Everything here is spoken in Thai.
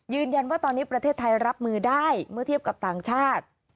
ยืนยันว่าตอนนี้ประเทศไทยรับมือได้เมื่อเทียบกับต่างชาติ